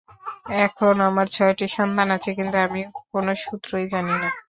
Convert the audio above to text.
এখন আমার ছয়টি সন্তান আছে, কিন্তু আমি কোনো সূত্রই জানি না।